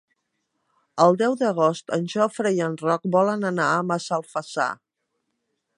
El deu d'agost en Jofre i en Roc volen anar a Massalfassar.